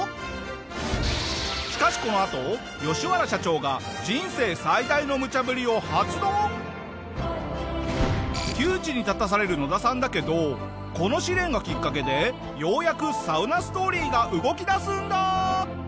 しかしこのあとヨシワラ社長が窮地に立たされるノダさんだけどこの試練がきっかけでようやくサウナストーリーが動き出すんだ！